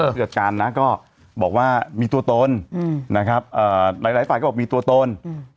ผู้จัดการนะก็บอกว่ามีตัวตนนะครับหลายฝั่งก็บอกมีตัวตน